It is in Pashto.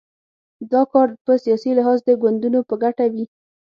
دا کار په سیاسي لحاظ د ګوندونو په ګټه وي.